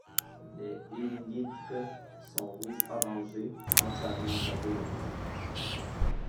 Les élytres sont rouge orangé, entièrement bordés de noir.